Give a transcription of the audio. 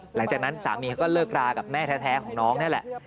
หลังจากนั้นสามีเขาก็เลิกรากับแม่แท้ของน้องนี่แหละ